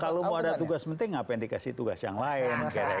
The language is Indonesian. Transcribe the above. kalau mau ada tugas penting apa yang dikasih tugas yang lain